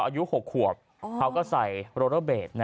อายุ๖ขวบเขาก็ใส่โลโลเบส